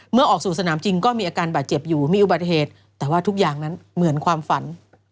เมื่อออกสู่สนามจริงก็มีอาการบาดเจ็บอยู่มีอุบัติเหตุแต่ว่าทุกอย่างนั้นเหมือนความฝัน